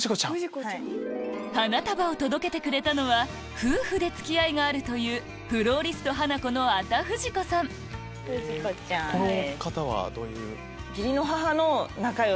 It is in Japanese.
花束を届けてくれたのは夫婦で付き合いがあるというこの方はどういう。